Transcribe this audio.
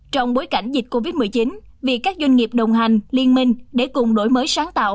trong bối cảnh dịch covid một mươi chín việc các doanh nghiệp đồng hành liên minh để cùng đổi mới sáng tạo